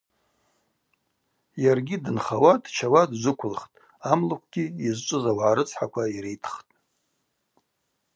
Йаргьи дынхауа, дчауа дджвыквылхтӏ, амлыквгьи йызчӏвыз ауагӏа рыцхӏаква йритхтӏ.